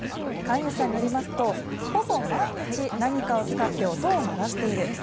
飼い主さんによりますとほぼ毎日何かを使って音を鳴らしている。